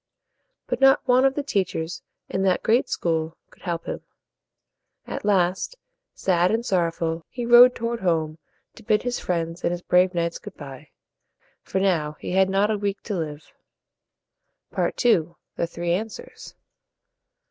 But not one of the teachers in that great school could help him. At last, sad and sor row ful, he rode toward home to bid his friends and his brave knights good by. For now he had not a week to live. II. THE THREE ANSWERS.